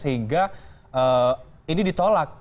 sehingga ini ditolak